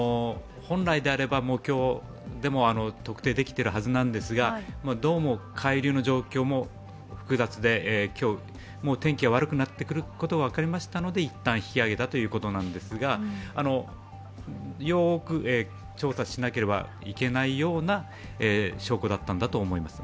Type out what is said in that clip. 本来であれば今日でも特定できているはずなんですけれども、どうも海流の状況も複雑で、今日も天気が悪くなってくることが分かりましたのでいったん引き上げたということなんですがよく調査しなければいけないような証拠だったんだと思います。